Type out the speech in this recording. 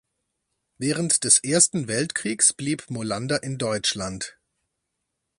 Während des Ersten Weltkriegs blieb Molander in Deutschland.